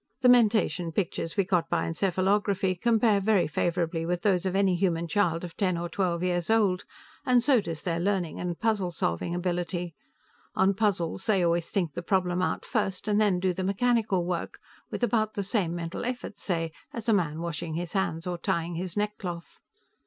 The mentation pictures we got by encephalography compare very favorably with those of any human child of ten or twelve years old, and so does their learning and puzzle solving ability. On puzzles, they always think the problem out first, and then do the mechanical work with about the same mental effort, say, as a man washing his hands or tying his neckcloth."